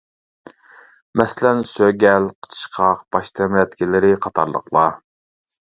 مەسىلەن: سۆگەل، قىچىشقاق، باش تەمرەتكىلىرى قاتارلىقلار.